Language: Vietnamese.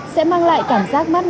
sẽ mang lại cảm giác mắt ngọt